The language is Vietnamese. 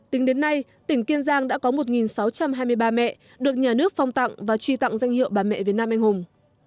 tính đến nay tỉnh kiên giang đã có một sáu trăm hai mươi ba mẹ được nhà nước phong tặng và truy tặng danh hiệu bà mẹ việt nam anh hùng